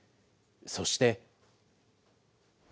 そして。